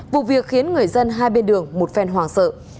vụ việc khiến người dân hai bên đường một phèn hoàng sợ